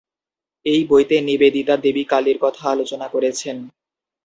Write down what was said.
এই বইতে নিবেদিতা দেবী কালীর কথা আলোচনা করেছেন।